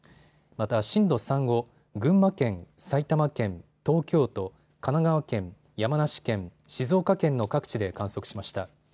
また震度３を群馬県、埼玉県、東京都、神奈川県、山梨県、静岡県の各地で観測しました。